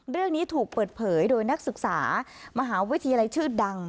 เรื่องนี้ถูกเปิดเผยโดยนักศึกษามหาวิทยาลัยชื่อดัง